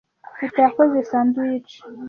Teta yakoze sandwiches.